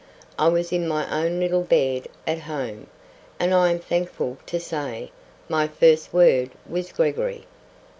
I was in my own little bed at home. I am thankful to say, my first word was "Gregory?"